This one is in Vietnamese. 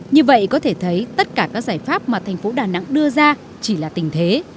như vậy có thể thấy tất cả các giải pháp mà thành phố đà nẵng đưa ra chỉ là tình thế